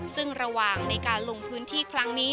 ซึ่งระหว่างในการลงพื้นที่ครั้งนี้